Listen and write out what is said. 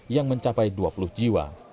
yang mencapai dua puluh jiwa